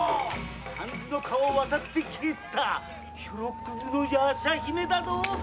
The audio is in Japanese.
三途の川を渡って帰ったひょろ首の夜叉姫だぞ！